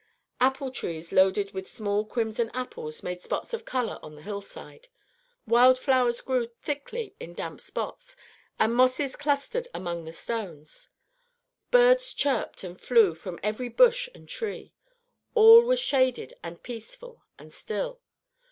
Apple trees loaded with small crimson apples made spots of color on the hill side. Wild flowers grew thickly in damp spots, and mosses clustered among the stones. Birds chirped and flew from every bush and tree. All was shaded and peaceful and still.